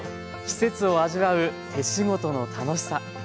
季節を味わう手仕事の楽しさ